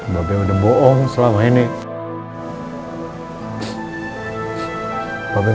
bae sida mun aiman